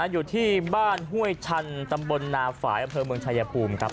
อยู่ที่บ้านห้วยชันตำบลนาฝ่ายอำเภอเมืองชายภูมิครับ